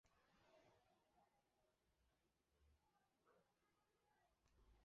细齿密叶槭为槭树科槭属下的一个变种。